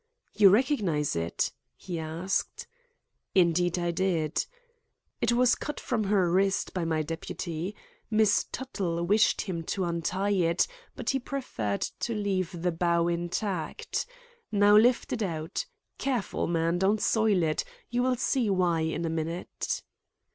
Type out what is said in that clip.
"You recognize it?" he asked. Indeed I did. "It was cut from her wrist by my deputy. Miss Tuttle wished him to untie it, but he preferred to leave the bow intact. Now lift it out. Careful, man, don't soil it; you will see why in a minute."